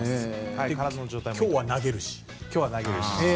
今日は投げるし。